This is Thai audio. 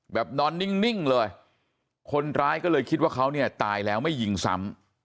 นอนนิ่งเลยคนร้ายก็เลยคิดว่าเขาเนี่ยตายแล้วไม่ยิงซ้ำ